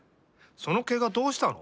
そのけがどうしたの？